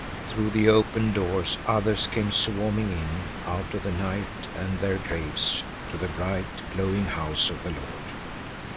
Through the open doors others came swarming in out of the night and their graves to the bright, glowing House of the Lord.